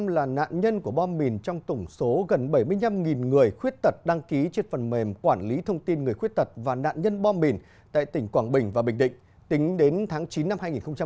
một mươi là nạn nhân của bom mìn trong tổng số gần bảy mươi năm người khuyết tật đăng ký trên phần mềm quản lý thông tin người khuyết tật và nạn nhân bom mìn tại tỉnh quảng bình và bình định tính đến tháng chín năm hai nghìn hai mươi ba